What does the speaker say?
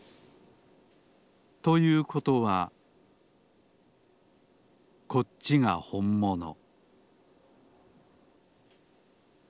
ということはこっちがほんもの